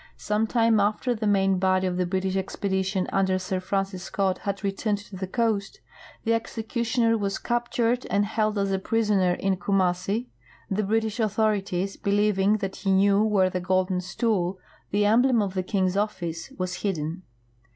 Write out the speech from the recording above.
Some time after the main body of the British expedition under Sir Francis Scott had returned to the coast the executioner was captured and held as a i3risoner in Kumassi, the British authorities believing that he knew where the golden stool, the emblem of the king's office, was hidden.